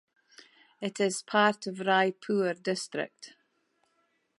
It is part of Raipur district.